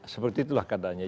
seperti itulah katanya